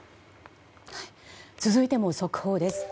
続いても速報です。